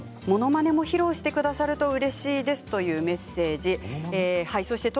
ものまねも披露してくださるとうれしいですというメッセージです。